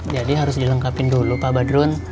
jadi harus dilengkapin dulu pak badrun